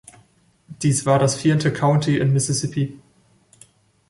Dies war das vierte County in Mississippi.